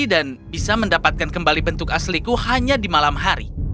dan bisa mendapatkan kembali bentuk asliku hanya di malam hari